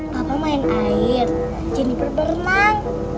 papa main air jennifer berenang